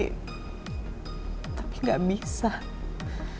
karena di hari tadi saya coba hubungin putri